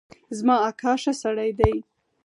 زما اکا ښه سړی دی